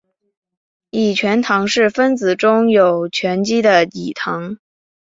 己醛糖是分子中有醛基的己糖。